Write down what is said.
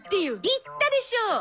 言ったでしょう。